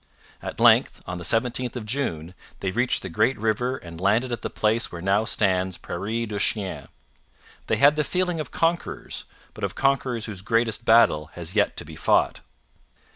At length, on the 17th of June, they reached the great river and landed at the place where now stands Prairie du Chien. They had the feeling of conquerors, but of conquerors whose greatest battle has yet to be fought.